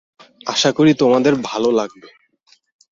আশা করি তোমাদের ভাল লাগবে।